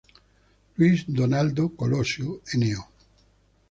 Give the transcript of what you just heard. Luis Donaldo Colosio No.